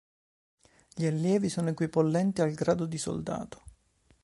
Gli allievi sono equipollenti al grado di Soldato.